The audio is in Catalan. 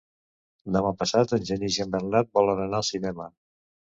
Demà passat en Genís i en Bernat volen anar al cinema.